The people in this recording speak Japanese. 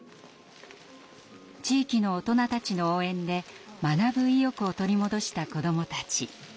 地域の大人たちの応援で学ぶ意欲を取り戻した子どもたち。